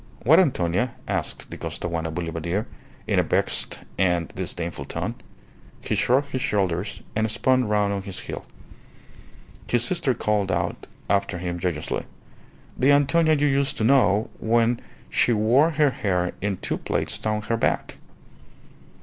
"What Antonia?" asked the Costaguana boulevardier, in a vexed and disdainful tone. He shrugged his shoulders, and spun round on his heel. His sister called out after him joyously "The Antonia you used to know when she wore her hair in two plaits down her back."